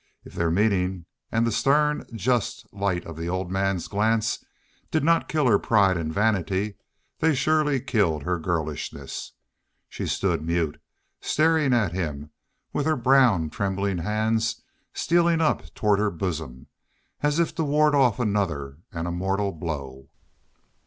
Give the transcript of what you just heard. If their meaning and the stem, just light of the old man's glance did not kill her pride and vanity they surely killed her girlishness. She stood mute, staring at him, with her brown, trembling hands stealing up toward her bosom, as if to ward off another and a mortal blow.